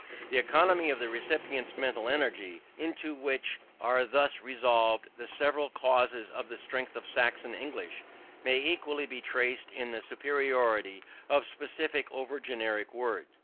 The economy of the recipient's mental energy, into which are thus resolvable the several causes of the strength of Saxon English, may equally be traced in the superiority of specific over generic words.